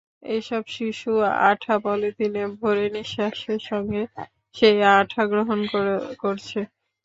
এসব শিশু আঠা পলিথিনে ভরে নিঃশ্বাসের সঙ্গে সেই আঠা গ্রহণ করছে।